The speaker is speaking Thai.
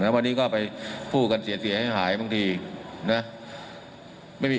วันนี้ก็ไปพูดกันเสียหายบางทีนะ